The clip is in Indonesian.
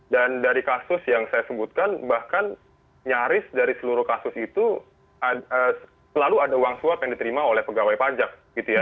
dan dari kasus yang saya sebutkan bahkan nyaris dari seluruh kasus itu selalu ada uang suap yang diterima oleh pegawai pajak gitu ya